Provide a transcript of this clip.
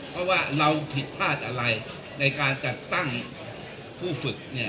เพราะว่าเราผิดพลาดอะไรในการจัดตั้งผู้ฝึกเนี่ย